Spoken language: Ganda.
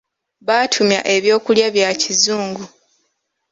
Baatumya eby'okulya bya kizungu.